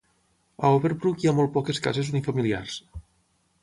A Overbrook hi ha molt poques cases unifamiliars.